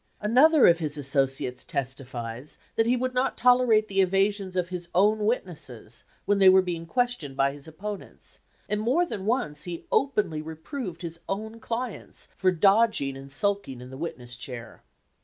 Another of his associates testifies that he would not tolerate the evasions of his own wit nesses when they were being questioned by his opponents, and more than once he openly re proved his own clients for dodging and sulking in the witness chair.